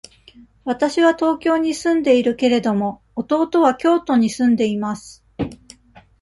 わたしは東京に住んでいるけれども、弟は京都に住んでいます。